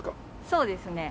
そうですね。